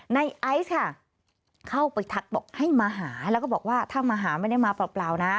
ไอซ์ค่ะเข้าไปทักบอกให้มาหาแล้วก็บอกว่าถ้ามาหาไม่ได้มาเปล่านะ